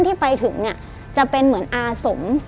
ที่ไปถึงเนี่ยจะเป็นเหมือนอาสม